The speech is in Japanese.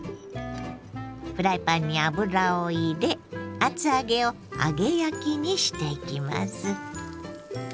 フライパンに油を入れ厚揚げを揚げ焼きにしていきます。